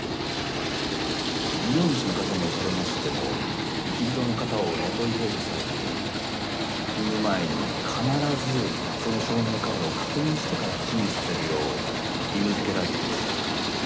事業主の方におかれましても雪人の方を雇い入れる際に勤務前に必ずその証明カードを確認してから勤務させるよう義務づけられていますが。